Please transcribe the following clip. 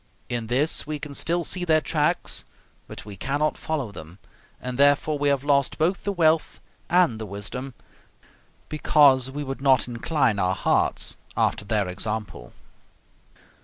In this we can still see their tracks, but we cannot follow them, and therefore we have lost both the wealth and the wisdom, because we would not incline our hearts after their example."